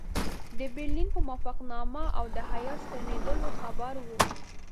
د برلین په موافقتنامه او د هیات ستنېدلو خبر وو.